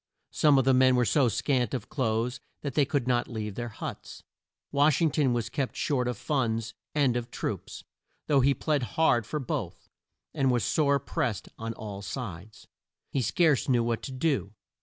Some of the men were so scant of clothes that they could not leave their huts. Wash ing ton was kept short of funds and of troops, though he plead hard for both, and was sore pressed on all sides. He scarce knew what to do.